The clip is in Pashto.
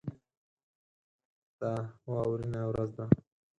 دا واورینه ورځ ده.